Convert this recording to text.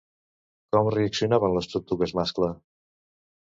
Com reaccionaven les tortugues mascle?